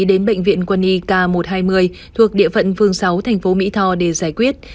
đến bệnh viện quân y k một trăm hai mươi thuộc địa phận phương sáu thành phố mỹ tho để giải quyết